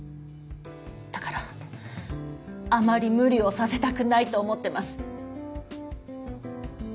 だからあまり無理をさせたくないと思ってます。